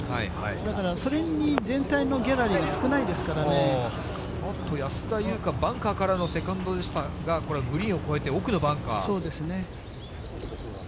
だから、それに全体のギャラリーおっと、安田祐香、バンカーからのセカンドでしたが、これはグリーンを越えて奥のバンカー。